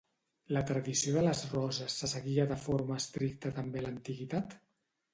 La tradició de les roses se seguia de forma estricta també a l'antiguitat?